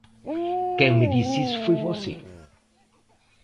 Quem me disse isso foi você!